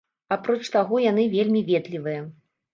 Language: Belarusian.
Апроч таго, яны вельмі ветлівыя.